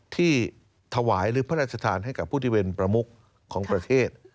ที่ถวายหรือพระราชทานให้กับผู้ที่เป็นประมุขของประเทศ